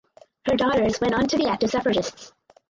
Her daughters went on to be active suffragists.